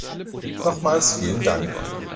Nochmals vielen Dank.